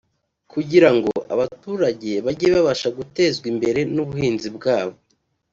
Kugira ngo abaturage bajye babasha gutezwa imbere n’ubuhinzi bwabo